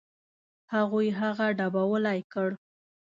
هغوی هغه ډبولی کړ.